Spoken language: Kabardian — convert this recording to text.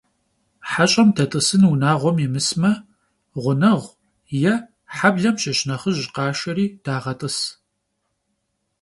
Heş'em det'ısın vunağuem yimısme, ğuneğu yê heblem şış nexhıj khaşşeri dağet'ıs.